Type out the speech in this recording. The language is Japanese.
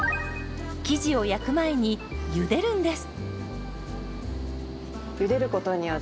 生地を焼く前にゆでるんです。